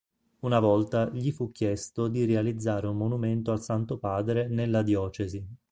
Una volta gli fu chiesto di realizzare un monumento al Santo Padre nella diocesi.